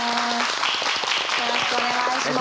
よろしくお願いします。